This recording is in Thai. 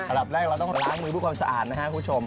ก่อนหลับแรกเราต้องล้างมือรู้ความสะอาดนะครับทุกชม